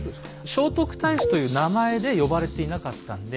「聖徳太子」という名前で呼ばれていなかったんで。